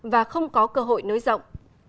và không có cơ hội nới rộng